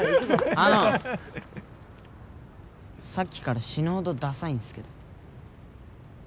あの、さっきから死ぬほどダサいんすけど。